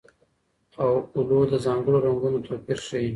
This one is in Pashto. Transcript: اولو د ځانګړو رنګونو توپیر ښيي.